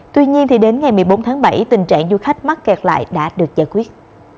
tuy nhiên đến ngày một mươi bốn tháng bảy tình trạng du khách mắc kẹt lại đã được giải quyết